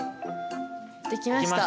できました。